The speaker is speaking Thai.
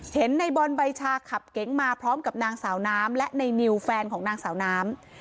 ในบอลใบชาขับเก๋งมาพร้อมกับนางสาวน้ำและในนิวแฟนของนางสาวน้ำ